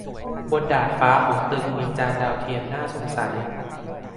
บนดาดฟ้าของตึกมีจานดาวเทียมน่าสงสัย